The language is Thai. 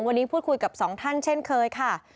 วันนี้พูดคุยกับสองท่านเช่นเคยค่ะ